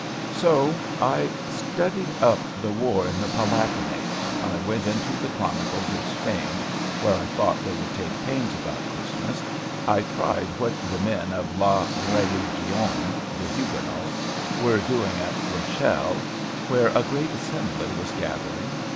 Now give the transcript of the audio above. So I studied up the war in the Palatinate, I went into the chronicles of Spain, where I thought they would take pains about Christmas, I tried what the men of "la religion," the Huguenots, were doing at Rochelle, where a great assembly was gathering.